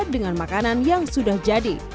dengan makanan yang sudah jadi